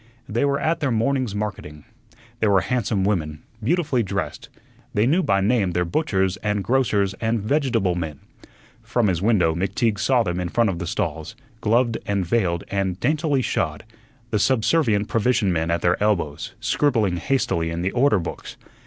They were at their morning's marketing. They were handsome women, beautifully dressed. They knew by name their butchers and grocers and vegetable men. From his window McTeague saw them in front of the stalls, gloved and veiled and daintily shod, the subservient provision men at their elbows, scribbling hastily in the order books.